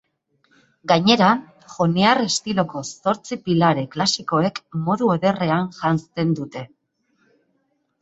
Gainera, joniar estiloko zortzi pilare klasikoek modu ederrean janzten dute.